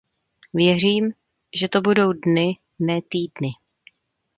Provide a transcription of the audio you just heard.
Věřím, že to budou dny, ne týdny.